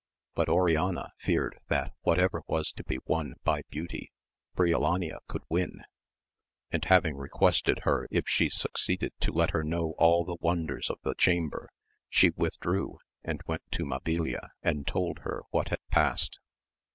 But Oriana feared that whatever was to be won by beauty Brio lania could win, and having requested her if she suc ceeded to let her know all the wonders of the chamber, she withdrew and went to Mabilia and told her what had passed.